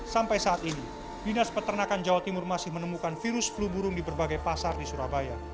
sampai saat ini dinas peternakan jawa timur masih menemukan virus flu burung di berbagai pasar di surabaya